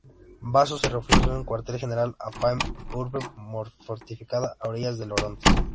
Baso se refugió en su cuartel general, Apamea, urbe fortificada a orillas del Orontes.